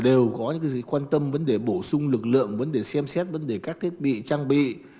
đều có những gì quan tâm vấn đề bổ sung lực lượng vấn đề xem xét vấn đề các thiết bị trang bị